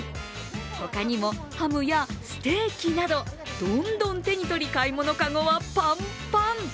他にもハムやステーキなど、どんどん手に取り、買い物籠はぱんぱん。